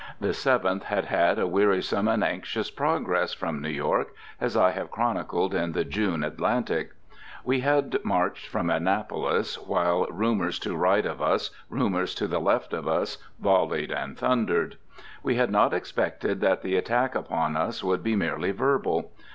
The Seventh had had a wearisome and anxious progress from New York, as I have chronicled in the June "Atlantic." We had marched from Annapolis, while "rumors to right of us, rumors to left of us, volleyed and thundered." We had not expected that the attack upon us would be merely verbal.